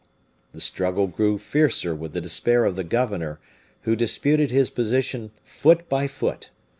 The struggle grew fiercer with the despair of the governor, who disputed his position foot by foot.